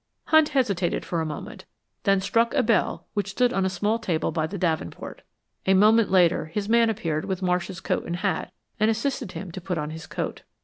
Hunt hesitated for a moment, then struck a bell which stood on a small table by the davenport. A moment later his man appeared with Marsh's coat and hat and assisted him to put on his coat.